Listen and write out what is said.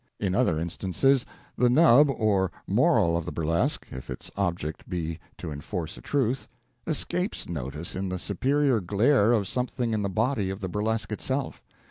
In other instances the "nub" or moral of the burlesque if its object be to enforce a truth escapes notice in the superior glare of something in the body of the burlesque itself.